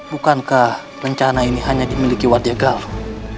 bukankah rencana ini hanya dimiliki wardia galuh